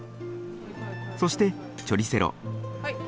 そしてチョリセロ。